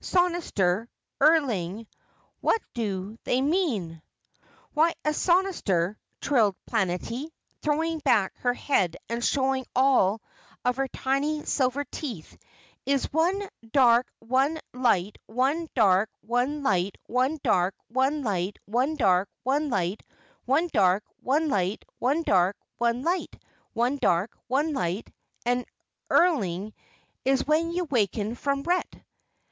"'Sonestor earling' what do they mean?" "Why, a sonestor," trilled Planetty, throwing back her head and showing all of her tiny silver teeth, "is one dark, one light, one dark, one light, one dark, one light, one dark, one light, one dark, one light, one dark, one light, one dark, one light, and earling is when you waken from ret."